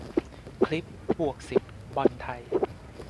คลิป - บวกสิบ บอลไทย